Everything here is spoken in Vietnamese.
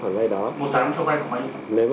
một tám trăm linh cho vay tầm bao nhiêu